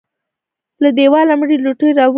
له دېواله مړې لوټې راولوېدې.